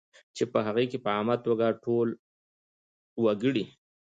چې په هغې کې په عامه توګه ټول وګړي